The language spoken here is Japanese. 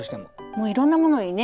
もういろんなものにね